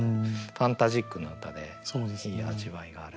ファンタジックな歌でいい味わいがある。